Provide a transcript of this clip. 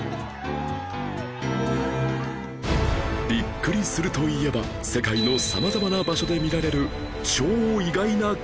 ビックリするといえば世界のさまざまな場所で見られる超意外な光景